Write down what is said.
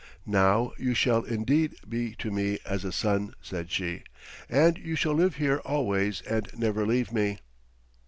"Now you shall indeed be to me as a son," said she, "and you shall live here always and never leave me."